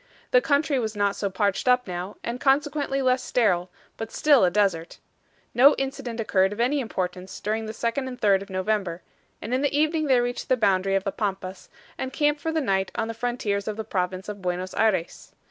The country was not so parched up now, and consequently less sterile, but still a desert. No incident occurred of any importance during the 2d and 3d of November, and in the evening they reached the boundary of the Pampas, and camped for the night on the frontiers of the province of Buenos Ayres.